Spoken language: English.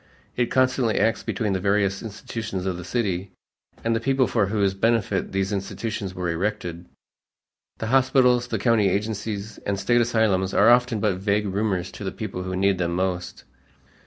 It constantly acts between the various institutions of the city and the people for whose benefit these institutions were erected. The hospitals, the county agencies, and State asylums are often but vague rumors to the people who need them most.